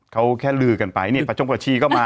เขาแค่ลือกันไปนี่ประชงประชีก็มา